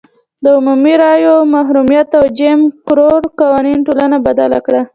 د عمومي رایو محرومیت او جیم کرو قوانینو ټولنه بدله کړه.